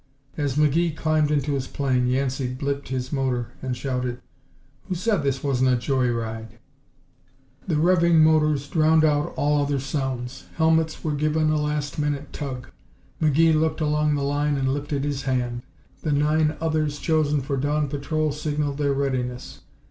As McGee climbed into his plane, Yancey "blipped" his motor and shouted, "Who said this wasn't a joy ride?" The revving motors drowned out all other sounds. Helmets were given a last minute tug. McGee looked along the line and lifted his hand. The nine others chosen for dawn patrol signaled their readiness.